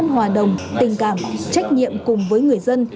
hòa đồng tình cảm trách nhiệm cùng với người dân